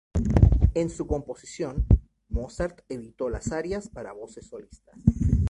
En su composición, Mozart evitó las arias para voces solistas.